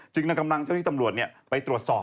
จึงนักกำลังเจ้าธิตำรวจไปตรวจสอบ